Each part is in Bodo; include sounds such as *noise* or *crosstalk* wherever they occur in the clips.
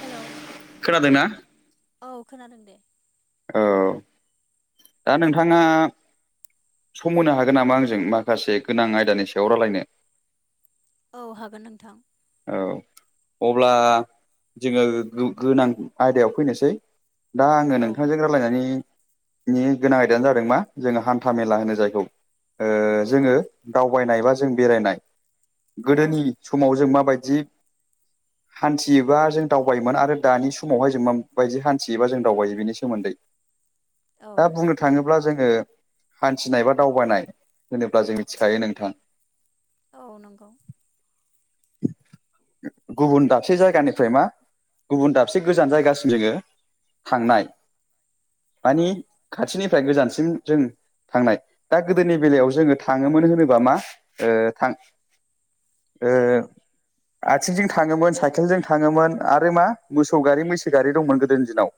हेल' खोनादोंना? औ खोनादों दे। औ दा नोंथाङा सम होनो हागोन नामा आंजों माखासे गोनां आयदानि सायाव रायलायनो? औ हागोन नोंथां। औ अब्ला जोङो गो-गोनां आयदायाव फैनोसै। दा आङो औ नोंथांजों रायलायनायनि नि गोनां आयदायानो जादों मा जोङो हान्था मेला होनो जायखौ। ओ औ जोङो दावबायनाय बा जों बेरायनाय औ गोदोनि समाव जों मा बायदि हान्थियोबा जों दावबायोमोन आरो दानि समावहाय जों माबायदि हान्थियोबा जों दावबायो बेनि सोमोन्दै औ दा बुंनो थाङोब्ला जोङो हान्थिनाय बा दावबायनाय होनोब्ला जों मिथिखायो नोंथां। औ नंगौ। गुबुन दाबसे जायगानिफ्राय मा गुबुन दाबसे गोजान जायगासिम जोङो थांनाय औ मानिे खाथिनिफ्राय गोजानसिम जों थांनाय दा गोदोनि बेलायाव जोङो थाङोमोन होनोबा मा थां ओ आथिंजों साइकेलजों थाङोमोन आरो मा मोसौ गारि मैसो गारि गोदोनि दिनाव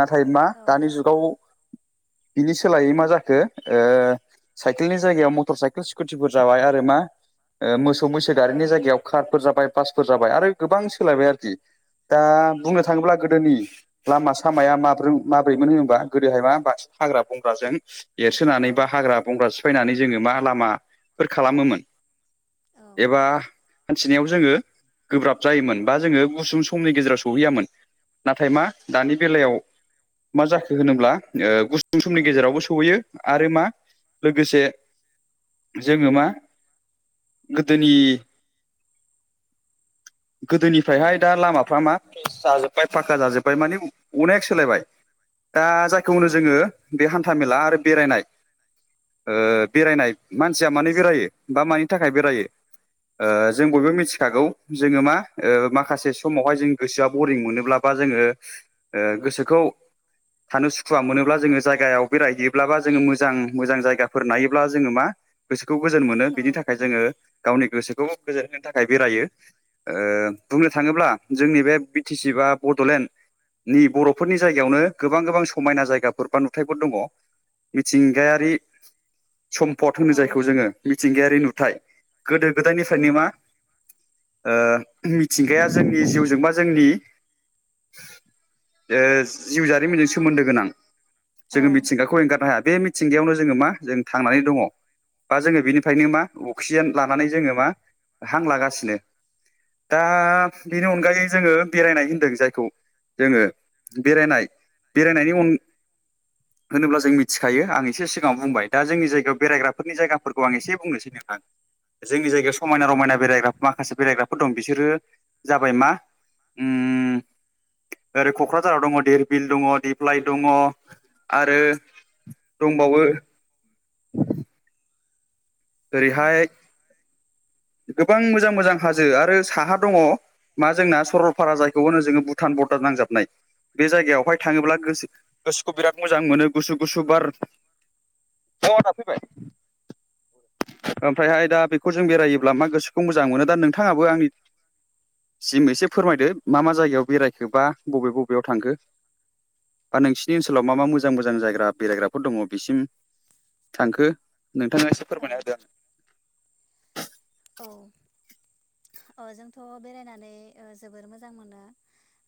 नाथाय मा औ दानि जुगाव बिनि सोलायै मा जाखो ओ साइकेलनि जायगायाव मटर साइकेल स्कुटिफोर जाबाय आरो मा मोसौ मैसो औ गारिनि जायगायाव कारफोर जाबाय बासफोर जाबाय आरो गोबां सोलायबाय आरोखि दा बुंनो थाङोब्ला गोदोनि लामा सामाया माब माब्रैमोन होनबा गोदोहाय मा बास हाग्रा बंग्राजों औ एरसोनानै बा हाग्रा बंग्रा सिफायनानै जोङो मा लामाफोर खालामोमोन। औ एबा हान्थिनायाव जोङो गोब्राब जायोमोन बा जोङो गुसुं समनि गेजेराव सहैयामोन। नाथाय मा दानि बेलायाव मा जाखो होनोब्ला गुस फुं औ समनि गेजेरावबो आरो मा लोगोसे जोंओ मा गोदोनि गोदोनिफ्रायहाय दा लामाफ्रा मा जाजोब्बाय फाक्का जाजोबबाय माने अनेक सोलायबाय दा जायखौनो जोङो बे हान्थाामेला आरो बेरायनाय बेरायनाय मानसिया बेरायो मानि थाखाय बेरायो ओ जों बयबो मिथिखागौ जोङो मा माखासे समावहाय जों गोसोआ बरिं मोनोब्ला बा जोङो गोसोखौ थानो सुखुवा मोनोब्ला जायगायाव बेरायहैयोब्लाा मोजां मोजां जायगाफोर नायोब्ला जोङो मा गोसोखौ गोजोन मोनो बिनि थाखाय जोङो गावनि गोसोखौ गोजोन होनो थाखाय बेरायो। ओ बुंनो थाङोब्ला जोंनि बे बिटि सि बा बड'लेण्ड नि बर'फोरनि जायगायावनो गोबां गोबां समायना जायगाफोर बा नुथायफोर दङ। मिथिंगायारि सम पट होनो जायखौ जोङो मिथिंगायारि नुथाय गोदो गोदायनिफ्रायनो मा ओ मिथिंगाया जोंनि जिउजोंबा जोंनि ‌ ओ जिउ जारिमिनजों सोमोन्दो गोनां जोङो मिथिंगाखौ एंगारनो हाया बे मिारथिंगायावनो जोङो मा जों थांनानै दङ बा जोङो बेनिफ्रायनो मा अक्सिजेन लानानै जोङो मा हां लागासिनो। दा बेनि अनगायै जोङो बेरायनाय होनदों जायखौ जोङो बेरायनाय बेरायनायनि उन होनोब्ला जों मिथिखायो आं एसे सिगाङाव बुंबाय दा जोंनि जायगायाव बेरायग्राफोरनि जायाफोरखौ आं एसे बुंनोसै ां जोंनि जायगायाव समायना रमायना बेरायग्रा माखासे बेरायग्राफोर दं बिसोरो जाबाय मा उम ओरै क'क्राझाराव दङ धिरबिल दङ दिप्लाय दङ आरो दंबावो औ औ ओरैहाय गोबां मोजां मोजां हाजो आरो साहा दङ मा जोंना सरलपारा जायखौ होनो जोङो भुटान बर्डार नांजाबनाय बे जायगायावहाय थाङोब्ला गोसो गोसोखौ बिराद मोजां मोनो गुसु गुसु बार तावारा फैबाय? ओमफ्रायहाय दा बेखौ जों बेरायोब्ला मा गोसोखौ मोजां मोनो दा नोंथाङाबो आंनि। सिम एसे फोरमायदो मा मा जायगायाव बेरायखोबा बबे बबेयाव थांखो। बा नोंसिनि ओनसोलाव मा मा मोजां मोजां जायग्रा बेरायग्राफोर दङ बेसिम। थांखो नोंथाङा एसे औ फोरमायना होदो आं। औ औ जोंथ' बेरायनानै ओ जोबोर मोजां मोनो।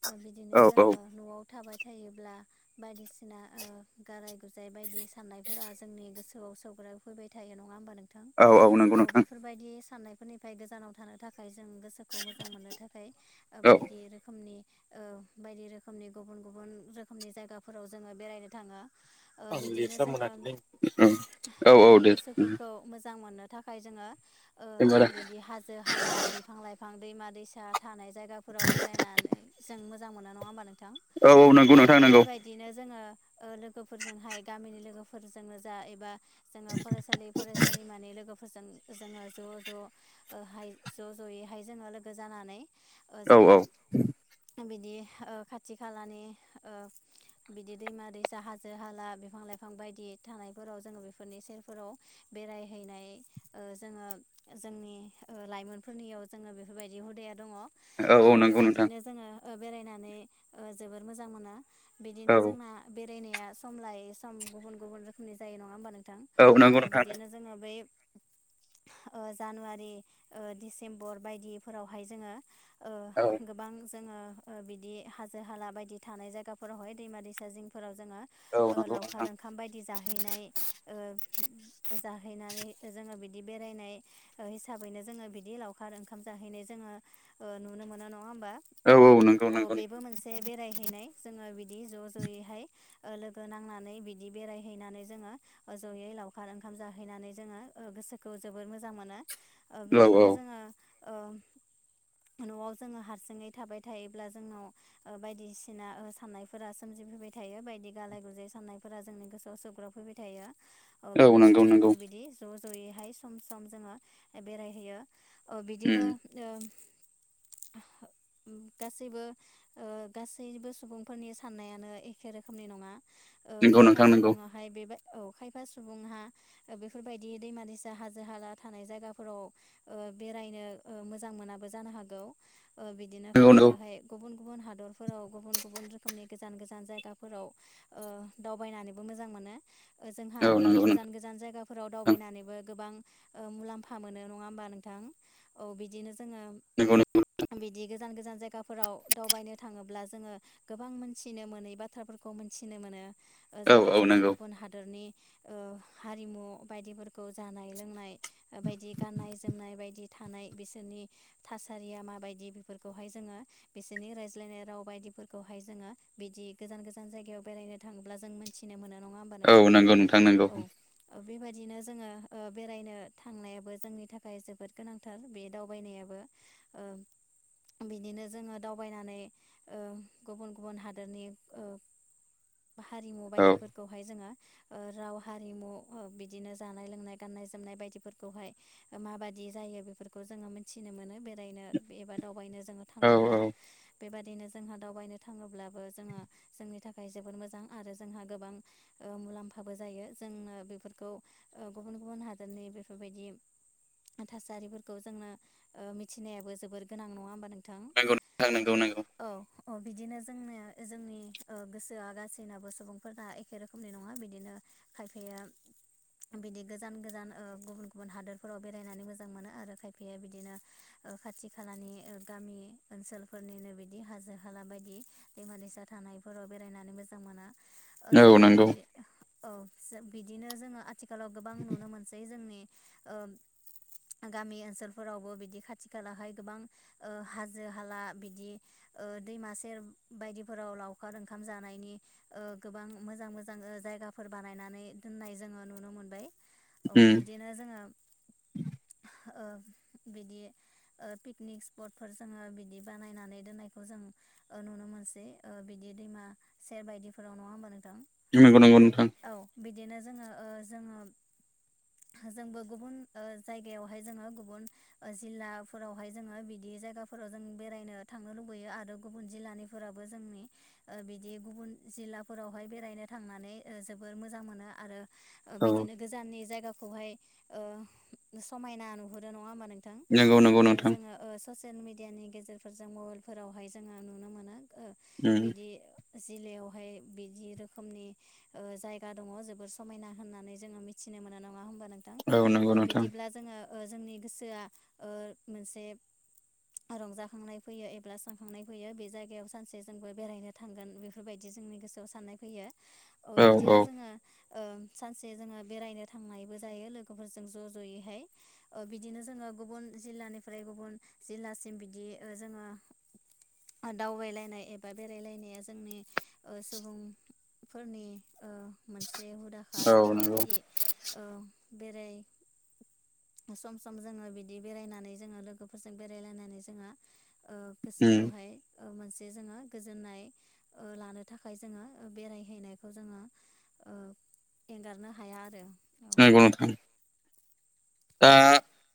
औ बिदिनो होदो जोङो न'आव थाबाय थायोब्ला। बायदिसिना ओ गाराय गुजाय बायदि साननायफोरा जोंनि गोसोआव सौग्रावफैबाय थायो नङा होमबा नों थां आंनो औ नंगौ औ नोंथां बेफोरबायदि साननायफोरनिफ्राय गोजानाव थानो थाखाय जों गोसो। गोसोखौ मोजां मोननो थाखाय औ बायदि रोखोमनि, औ बायदि रोखोमनि गुबुन गुबुन रोखोमनि जायगाफोराव जोङो बेरायनो थाङो। ओ बिदिनो जोङो औ औ बिदि दे गोसोफोरखौ। मोजां मोननो थाखाय जोङो ओ होमबा दा बिदि हाजो हाला बिफां लाइफां दैमा दैसा। थानाय जायगाफोराव बेरायनानै जों मोजां मोनो नङा होमबा नोंथां नंगौ औ नोंथां नंगौ बेबायदि, बिदिनो जोङो ओ लोगोफोरजोंहाय गामिनि लोगोफोरजोंनो जा एबा, जोङो फरायसालि फरायसालिमानि लोगोफोरजों जोङो। ज' ज' हाय ज' ज' हाय जोङो लोगो जानानै। ओ औ जोङो औ बिदि ओ खाथि खालानि ओ। बिदि दैमा दैसा हाजो हाला बिफां लाइफां बायदि थानायफोराव जोङो बेफोरनि सेरफोराव। बेरायहैनाय ओ जोङो। जोंनि लाइमोनफोरनियाव जोङो बेफोरबायदि हुदाया दङ। औ ओ औ नंगौ नोंथां बेबायदिनो जोङो बेरायनानै ओ जोबोर मोजां मोना, बिदिनो औ जोंना बेरायनाया सम लायै सम गुबुन गुबुन रोखोमनि जायो नङा होमबा नो थां औ नंगौ नोंथां बिदिनो जोङो बै। ओ जानुवारि ओ डिसेम्बर बायदिफोरावहाय जोङो। औ औ ओ गोबां जोङो। ओ बिदि हाजो हाला बायदि थानाय जायगाफोरावहाय दैमा दैसा जिंफोराव जोङो ओ नंगौ लावखार नोंथां ओंखाम। ओंखाम बायदि जाहैनाय ओ जाहैनानै जोङो बिदि बेरायनाय, ओ हिसाबैनो जोङो बिदि लावखार ओंखाम जाहैनाय जोङो ओ नुनो मोनो नङा होमबा। औ नंगौ औ नंगौ बेबो मोनसे, बे बेरायहैनाय जोङो बिदि ज' ज'यैहाय ओ लोगो नांनानै बिदि बेरायहैनानै जोङो। ज'यै लावखार ओंखाम जाहैनानै जोङो ओ गोसोखौ जोबोर मोजां। मोजां मोनो ओ औ बिदिनो जोङो ओ। न'आव जोङो हारसिङै थाबाय थायोब्ला जोंनाव। ओ बायदिसिना साननायफोरा सोमजिफैबाय थायो बायदि गालाय गुजाय साननायफोरा जोंनि गोसोआव सौग्राव फैबाय थायो। औ औ बेनिखायनो नंगौ जोङो नंगौ बिदि ज' ज'यैहाय सम सम जोङो बेरायहैयो। औ बिदिनो उम ओ गासैबो। ओ गासैबो सुबुंफोरनि सान्नायानो एखे रोखोमनि नङा। ओ नंगौ खायफा नोंथां नंगौ सुबुङाहाय बे बाय खायफा सुबुङा बेफोरबायदि दैमा दैसा हाजो। हाजो हाला थानाय जायगाफोराव ओ बेरायनो ओ मोजां मोनाबो जानो हागौ ओ बि बिदिनो नंगौ नंगौ खायफायाहाय गुबुन गुबुन हादरफोराव गुबुन गुबुन रोखोमनि गोजान गोजान जायगाफोराव, ओ दावबायनानैबो मोजां मोनो, जोंहा औ बिदि नंगौ गोजान गोजान जायगाफोराव नोंथां दावबायनानैबो गोबां। ओ मुलाम्फा मोनो नङा होमबा नोंथां औ बिदिनो जोङो नंगौ नंगौ नोंथां। बिदि गोजान गोजान जायगाफोराव दावबायनो थाङोब्ला जोङो गोबां मोनथिनो मोनै बाथ्राफोरखौ मोनथिनो मोनो। जेरै औ औ जोङो नंगौ गुबुन हादोरनि ओ हारिमु बायदिफोरखौ जानाय लोंनाय बायदि गाननाय जोमनाय बायदि थानाय बिसोरनि थासारिया माबायदि बेफोरखौहाय जोङो बिसोरनि रायज्लायनाय राव बायदिफोरखौहाय जोङो बिदि गोजान गोजान जायगायाव बेरायनो थाङोब्ला जों मोन थिनो मोनो नङा होमबा नोंथां औ नंगौ नोंथां नंगौ औ बेबायदिनो जोङो ओ बेरायनो थांनायाबो जोंनि थाखाय जोबोद गोनांथार बे दावबायनायाबो। ओ बिदिनो जोङो दावबायनानै ओ गुबुन गुबुन हादरनि ओ हारिमु औ बायदिफोरखौहाय जोङो ओ राव हारिमु ओ बिदिनो जानाय लोंनाय गाननाय जोमनाय बायदिफोरखौहाय माबायदि जायो बेफोरखौ जोङो मिथिनो मोनो बेरायनो एबा दावबायनो जोङो औ थाङोब्ला बेबादिनो जोंहा दावबायनो थाङोब्लाबो जोङो जोंनि थाखाय जोबोद मोजां आरो जोंहा गोबां ओ मुलाम्फाबो जायो जोंनो बेफोरखौ ओ गुबुन गुबुन हादरनि बेफोरबायदि थासारिफोरखौ जोंनो ओ मिथिनायाबो जोबोर गोनां नङा होमबा नोंथां? नंगौ नोंथां नंगौ नंगौ। औ अ बिदिनो जोंनोया जोंनि ओ गोसोया गासैनाबो सुबुंफोरना ए खे रोखोमनि नङा बिदिनो खायफाया बिदि गोजान गोजान ओ गुबुन गुबुन हादोरफोराव बेरायनानै मोजां मोनो आरो खायफाया बिदिनो ओ खाथि खालानि ओ गामि ओनसोलफोरनिनो बिदि हाजो हाला बायदि दैमा दैसा थानाय फोराव बेरायनानै मोजां मोना ओ औ जोङो नंगौ बिदि औ बिदिनो जोङो आथि खालाव गोबां नुनो मोनसै जोंनि ओ गामि ओनसोलफोरावबो बिदि खाथि खालाहाय गोबां ओ हाजो हाला बिदि ओ दैमा सेर बायदिफोराव लावखार ओंखाम जानायनि ओ गोबां मोजां मोजां ओ जायगाफोर बानायनानै दोननाय जोङो नुनो मोनबाय औ उम बिदिनो जोङो ओ बिदि ओ पिकनिक स्पटफोर जोङो बिदि बानायनानै दोननायखौ जों ओ नुनो मोनसै ओ बिदि दैमा सेर बायदिफोराव नङा होमबा नोंथां? नंगौ नंगौ नोंथां। औ बिदिनो जोङो ओ जोङो जोंबो गुबुन ओ जायगायावहाय जोङो गुबुन ओ जिल्लाफोरावहाय जोङो बिदि जायगाफोराव जों बेरायनो थांनो लुबैयो आरो गुबुन जिल्लानि फोराबो जोंनि ओ बिदि गुबुन जिल्लाफोरावहाय बेरायनो थांनानै ओ जोबोर मोजां मोनो आरो ओ औ बिदिनो गोजाननि जायगाखौहाय ओ समायना नुहुरो नङा होमबा नों थां नंगौ नंगौ बिदिनो नोंथां जोङो ओ ससियेल मेडियानि गेजेरफोरजों मबाइलफोरावहाय जोङो नुनो मोनो। ओ उम बिदि जिलायावहाय बिदि रोखोमनि ओ जायगा दङ जोबोर समायना होननानै जोङो मिथिनो मोनो नङा होमबा नोंथां औ नंगौ अ नोंथां बिदिब्ला जोङो ओ जोंनि गोसोआ ओ मोनसे रंजाखांनाय फैयो एब्ला सानखांनाय फैयो बे जायगायाव सानसे जोंबो बेरायनो- थांगोन। बेफोरबायदि जोंनि गोसोआव साननाय फैयो औ बिदिनो जोङो- ओं सानसे जोङो बेरायनो थांनायबो जायो लोगोफोरजों ज' ज'यैहाय। ओ बिदिनो जोङो गुबुन जिल्लानिफ्राय गुबुन जिल्लासिम बिदि ओ जोङो- ओ दावबायलायनाय एबा बेरायलायनाया जोंनि ओ सुबुं- फोरनि ओ मोनसे हुदाख औ जोङो नंगौ बिदि- औ बेराय- सम सम जोङो बिदि बेरायनानै जोङो लोगोफोरजों बेरायलायनानै जोङो- ओ उम गोसोखौहाय- ओ मोनसे जोङो गोजोननाय ओ लानो थाखाय जोङो बेरायहैनायखौ जोङो- ओ एंगारनो हाया आरो। औ नंगौ नोंथां। दा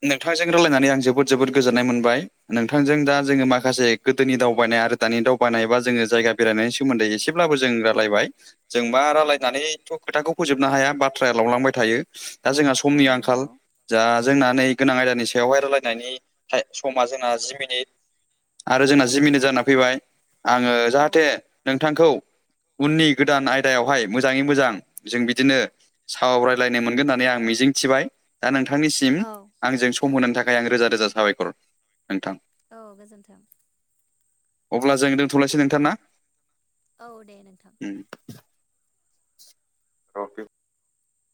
नोंथांजों रायलायनानै आं जोबोद जोबोद गोजोननाय मोनबाय। नोंथांजों औ दा जोङो माखा से गोदोनि दावबायनाय आरो दानि दावबायनाय बा जोङो जायगा बेरायनायनि सोमोन्दै एसेब्लाबो जों रायलायबाय- जों मा औ रायलायनानैथ' खोथाखौ फोजोबनो हाया बाथ्राया लावलांबाय थायो दा जोंहा औ समनि नंगौ आंखाल। जा जोंना नै गोनां आयदानि सायावहाय रायलायनायनि फ्राय समा जोंना जि मिनिट। आरो जोंना जि मिनि जाना फैबाय आङो औ जाहाथे नोंथांखौ उननि गोदान आयदायावहाय मोजाङै मोजां जों बिदिनो सावरायलायनो मोनगोन होननानै आं मिजिंथिबाय। दा नोंथांनिसिम औ आंजों सम होनायनि थाखाय आं रोजा रोजा साबायखर नोंथां। औ गोजोन्थों। अब्ला जों दोनथ'लायसै नोंथां ना? औ दे नोंथां। उम *unintelligible*